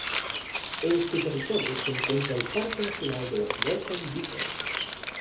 En su territorio se encuentra el parque nacional de los Brecon Beacons.